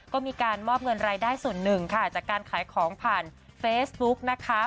ก็มีการมอบเงินรายได้ส่วนหนึ่งค่ะจากการขายของผ่านเฟซบุ๊กนะคะ